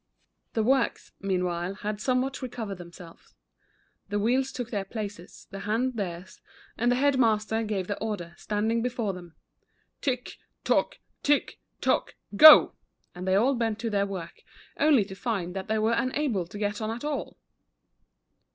The works, meanwhile, had somewhat recov ered themselves. The wheels took their places, the hands theirs, and the head master gave the order, standing before them :" Tick tick, tick tick, go !" And they all bent to their work, only to find that they were unable to get on at all.